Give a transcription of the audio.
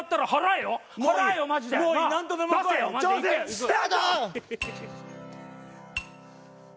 スタート！